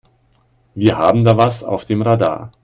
Wir haben da was auf dem Radar.